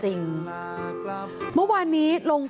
คุณผู้ชมค่ะคุณผู้ชมค่ะ